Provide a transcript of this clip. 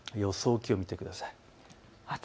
気温を見てください。